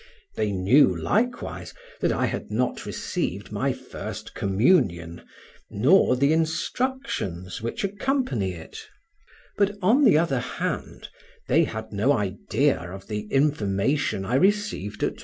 They knew, likewise, that I had not received my first communion, nor the instructions which accompany it; but, on the other hand, they had no idea of the information I received at M.